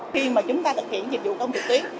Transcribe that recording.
khi mà chúng ta thực hiện dịch vụ công trực tuyến